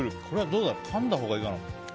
これはかんだほうがいいかな？